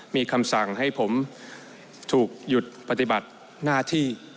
มีคำสั่งให้ผมถูกหยุดปฏิบัติหน้าที่